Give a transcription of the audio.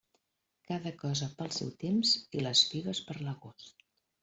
Cada cosa pel seu temps i les figues per l'agost.